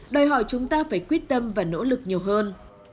đòi hỏi chúng ta phải quyết tâm và nỗ lực nhiều hơn